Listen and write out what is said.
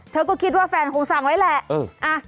เธอก็คิดว่าแฟนคงสั่งไว้แหละ